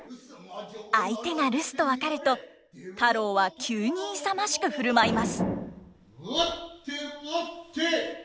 相手が留守と分かると太郎は急に勇ましく振る舞います。